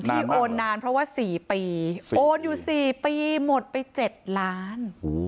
ที่โอนนานเพราะว่าสี่ปีโอนอยู่สี่ปีหมดไปเจ็ดล้าน